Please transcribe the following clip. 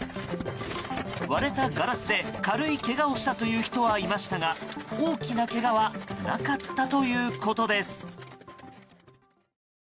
割れたガラスで軽いけがをしたという人はいましたが大きなけがはなかったということです。